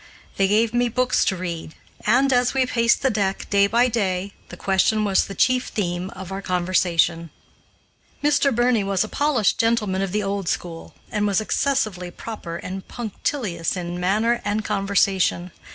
They gave me books to read, and, as we paced the deck day by day, the question was the chief theme of our conversation. Mr. Birney was a polished gentleman of the old school, and was excessively proper and punctilious in manner and conversation.